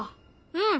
うん。